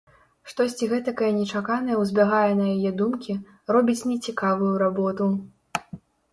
Штосьці гэтакае нечаканае ўзбягае на яе думкі, робіць нецікавую работу.